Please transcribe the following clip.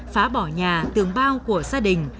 phá bỏ nhà tường bao của gia đình